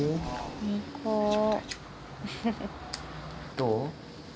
どう？